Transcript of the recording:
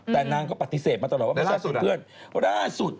แต่นางก็ปฏิเสธมาตลอดว่ามันเป็นเพื่อนเพราะล่าสุดแล้วล่าสุดอะไร